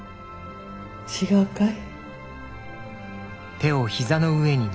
違うかい？